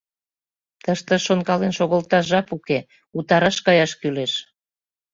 Тыште шонкален шогылташ жап уке, утараш каяш кӱлеш.